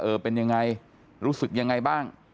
เป็นยังไงรู้สึกยังไงบ้าง